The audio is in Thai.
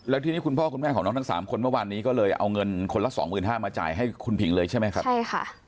แล้วทีนี้คุณพ่อคุณแม่ของน้องทั้งสามคนเมื่อวานนี้ก็เลยเอาเงินคนละสองหมื่นห้ามาจ่ายให้คุณผิงเลยใช่ไหมครับใช่ค่ะ